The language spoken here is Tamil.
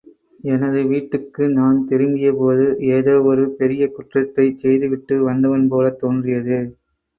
எனது வீட்டுக்கு நான் திரும்பிய போது ஏதோ ஒரு பெரிய குற்றத்தைச் செய்துவிட்டு வந்தவன் போலத் தோன்றியது.